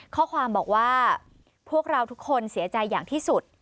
ข้อความบอกว่าพวกเราทุกคนเสียใจอย่างที่สุด